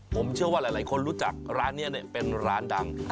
ผมเชื่อว่าหลายคนรู้จักร้านนี้เป็นร้านดัง